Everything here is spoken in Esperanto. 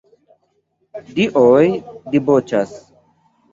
Dioj diboĉas.